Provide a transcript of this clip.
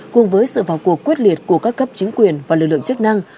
cùng với sự vào cuộc quyết liệt của các cấp chính quyền và lực lượng chức năng